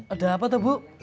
ada apa tuh bu